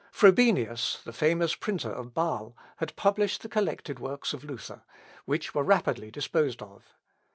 Frobenius, the famous printer of Bâle, had published the collected Works of Luther, which were rapidly disposed of.